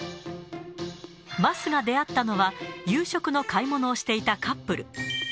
桝が出会ったのは、夕食の買い物をしていたカップル。